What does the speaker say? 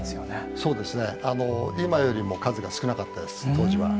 そうですねあの今よりも数が少なかったです当時は。